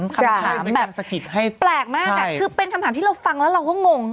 ในการถามคำถามแบบแปลกมากคือเป็นคำถามที่เราฟังแล้วเราก็งง